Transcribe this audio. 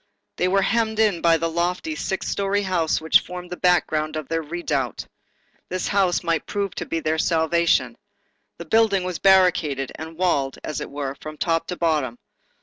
They were hemmed in by the lofty, six story house which formed the background of their redoubt. This house might prove their salvation. The building was barricaded, and walled, as it were, from top to bottom.